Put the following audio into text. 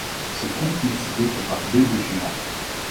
Ce comte n'est cité que par deux documents.